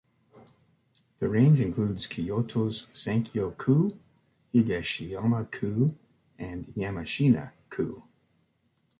The range includes Kyoto’s Sakyo-ku, Higashiyama-ku, and Yamashina-ku.